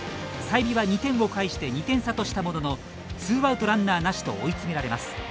済美は、２点をかえして２点差としたもののツーアウト、ランナーなしと追い詰められます。